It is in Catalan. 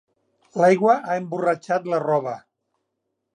L'aigua ha emborratxat la roba.